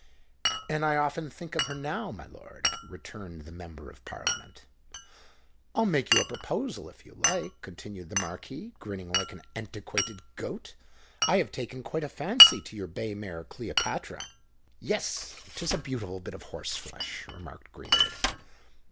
"And I often think of her now, my lord," returned the Member of Parliament. "I'll make you a proposal, if you like," continued the Marquis, grinning like an antiquated goat. "I have taken quite a fancy to your bay mare Cleopatra." "Yes—'tis a beautiful bit of horse flesh," remarked Greenwood.